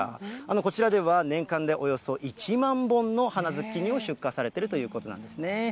こちらでは、年間でおよそ１万本の花ズッキーニを出荷されているということなんですね。